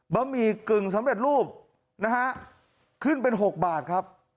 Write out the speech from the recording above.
ะหมี่กึ่งสำเร็จรูปนะฮะขึ้นเป็น๖บาทครับ